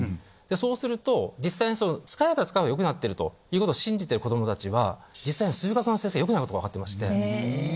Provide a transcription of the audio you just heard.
そうすると実際に使えば使うほど良くなってるということを信じてる子供たちは実際に数学の成績が良くなることが分かってまして。